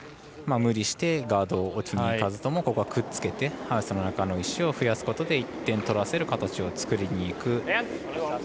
無理してガードを置きにいかずともくっつけてハウスの中の石を増やすことで１点取らせる形を作りにいく。